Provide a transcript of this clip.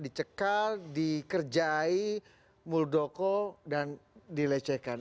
dicekal dikerjai muldoko dan dilecehkan